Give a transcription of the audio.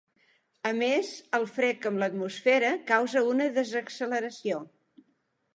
A més el frec amb l'atmosfera causa una desacceleració.